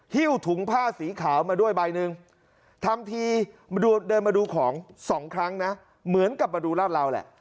หิ้วถุงผ้าสีขาวมาด้วยใบหนึ่งทำทีเดินมาดูของสองครั้งนะเหมือนกลับมาดูราดเราแหละ